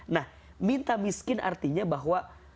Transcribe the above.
nah minta miskin artinya bahwa